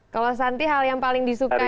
kalau santi hal yang paling disukai